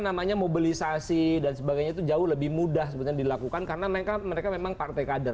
namanya mobilisasi dan sebagainya itu jauh lebih mudah sebenarnya dilakukan karena mereka memang partai kader